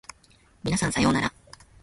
皆さんさようなら